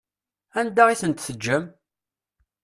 Anda i tent-teǧǧam?